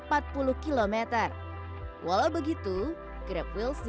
walau begitu grab wheels dilengkapi dengan kecepatan yang jauh